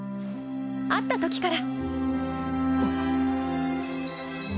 会ったときから。